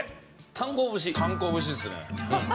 『炭鉱節』ですね。